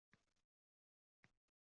Yurtda bor nodonlar